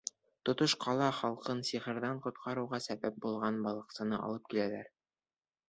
Тотош ҡала халҡын сихырҙан ҡотҡарыуға сәбәп булған балыҡсыны алып киләләр.